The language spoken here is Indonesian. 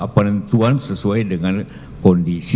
penentuan sesuai dengan kondisi